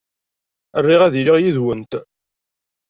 Riɣ ad iliɣ yid-went.